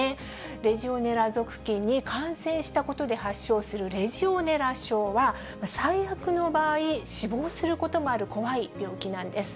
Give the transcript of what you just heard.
レジオネラ属菌に感染したことで発症するレジオネラ症は、最悪の場合、死亡することもある怖い病気なんです。